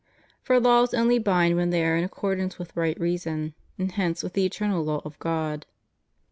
For laws only bind when they are in accordance with right reason, and hence with the eternal law of God.